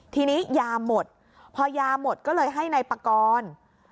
ทีนี้ยาหมดพอยาหมดก็เลยให้นายปากร